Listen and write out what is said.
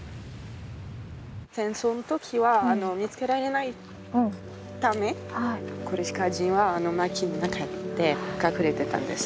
戦争の時は見つけられないためコルシカ人はマキの中で隠れてたんです。